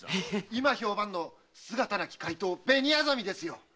今評判の姿なき怪盗・紅薊ですよ。